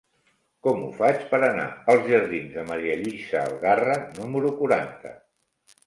Com ho faig per anar als jardins de Ma. Lluïsa Algarra número quaranta?